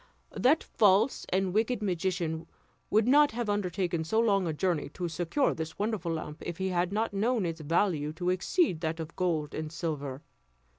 That false and wicked magician would not have undertaken so long a journey to secure this wonderful lamp if he had not known its value to exceed that of gold and silver.